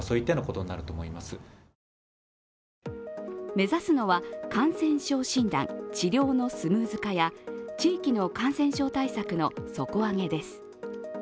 目指すのは感染症診断、治療のスムーズ化や地域の感染症対策の底上げです。